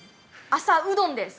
朝うどんです。